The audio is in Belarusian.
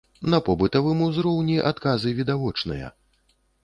На побытавым узроўні адказы відавочныя.